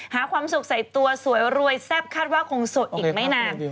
ความสุขใส่ตัวสวยรวยแซ่บคาดว่าคงสดอีกไม่นาน